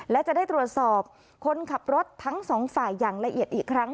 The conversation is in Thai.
และจะได้ตรวจสอบคนขับรถทั้งสองฝ่ายอย่างละเอียดอีกครั้ง